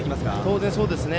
当然、そうですね。